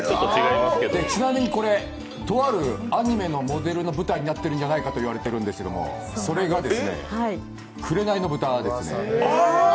ちなみに、とあるアニメのモデルの舞台になっているんじゃないかと言われているんですが、それがですね、「紅の豚」ですね。